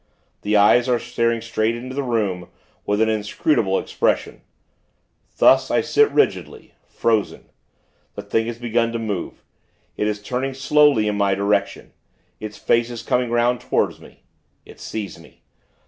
The eyes are staring straight into the room, with an inscrutable expression. Thus, I sit rigidly frozen. The Thing has begun to move. It is turning, slowly, in my direction. Its face is coming 'round toward me. It sees me.